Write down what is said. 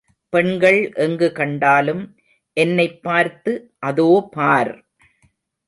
பெண்கள் எங்கு கண்டாலும், என்னைப் பார்த்து, அதோ பார்!